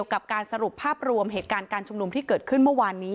ให้จากการสรุปภาพรวมเกี่ยวกับเหตุการณ์การชงนมที่เกิดขึ้นเมื่อวานนี้